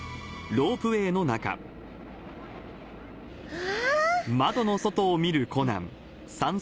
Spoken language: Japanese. うわ！